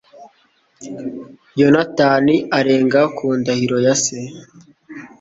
yonatani arenga ku ndahiro ya se